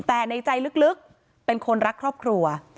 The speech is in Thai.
แต่ในใจลึกเป็นคนรักครอบครัว